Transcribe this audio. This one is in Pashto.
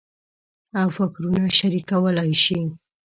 او فکرونه شریکولای شي.